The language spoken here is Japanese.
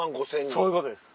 そういうことです。